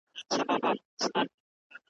سفرونه به روان وي او زموږ پلونه به هیریږي .